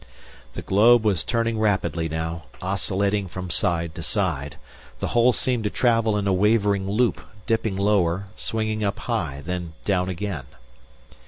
The globe was turning rapidly now, oscillating from side to side. The hole seemed to travel in a wavering loop, dipping lower, swinging up high, then down again.